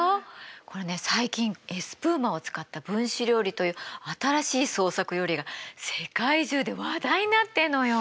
これね最近エスプーマを使った分子料理という新しい創作料理が世界中で話題になってるのよ。